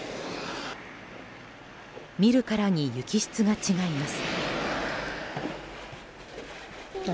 見るからに雪質が違います。